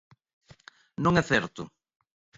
Non é certo.